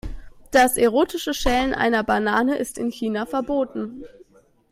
Das erotische Schälen einer Banane ist in China verboten.